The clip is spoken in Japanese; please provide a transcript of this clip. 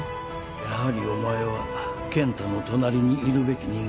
やはりお前は健太の隣にいるべき人間ではない。